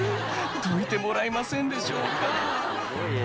「どいてもらえませんでしょうか？」